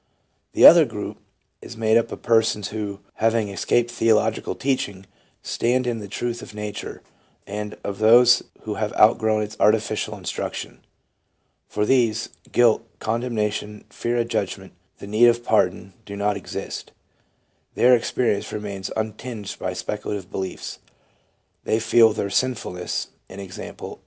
The other group is made up of persons who, having escaped theological teaching, stand in the truth of nature, and of those who have outgrown its artificial instruction ; for these, guilt, condemnation, fear of judgment, the need of pardon, do not exist; their experience remains untinged by speculative beliefs : they feel their sinfulness, i. e.